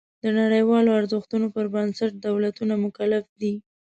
د نړیوالو ارزښتونو پر بنسټ دولتونه مکلف دي.